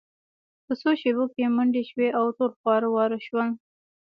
په څو شیبو کې منډې شوې او ټول خواره واره شول